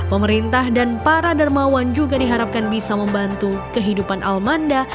pemerintah dan para dermawan juga diharapkan bisa membantu kehidupan almanda